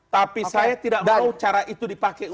tapi saya tidak mau cara itu dipakai untuk